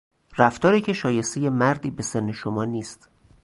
رفتاری که شایسته مردی به سن شما نیست